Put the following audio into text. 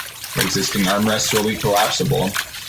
Existing armrests will be collapsible.